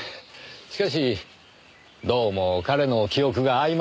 しかしどうも彼の記憶があいまいで。